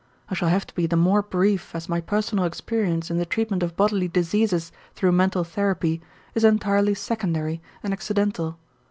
I shall have to be the more brief as my personal experience in the treatment of bodily diseases through mental therapy is entirely secondary and accidental.